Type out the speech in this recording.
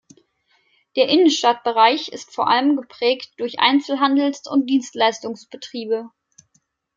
Der Innenstadtbereich ist vor allem geprägt durch Einzelhandels- und Dienstleistungsbetriebe.